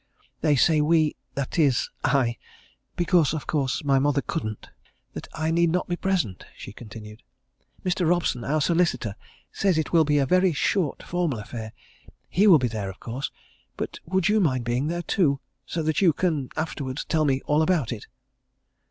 "They say we that is I, because, of course, my mother couldn't that I need not be present," she continued. "Mr. Robson our solicitor says it will be a very short, formal affair. He will be there, of course, but would you mind being there, too! so that you can afterwards tell me all about it?"